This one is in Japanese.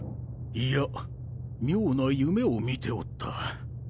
いや妙な夢を見ておった。